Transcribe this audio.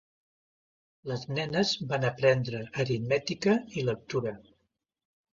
Les nenes van aprendre aritmètica i lectura.